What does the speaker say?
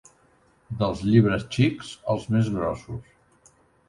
Dels llibres xics als més grossos